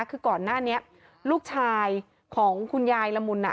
คือก่อนหน้านี้ลูกชายของคุณยายละมุน